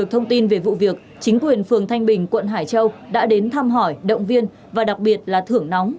chính quyền phường thanh bình quận hải châu đã đến thăm hỏi động viên và đặc biệt là thưởng nóng